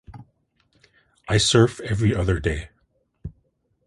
I surf every other day.